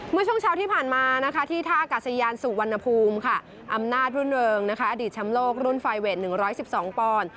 เมื่อช่วงเช้าที่ผ่านมาที่ท่าอากาศยานสุวรรณภูมิค่ะอำนาจรุ่นเริงอดีตแชมป์โลกรุ่นไฟเวท๑๑๒ปอนด์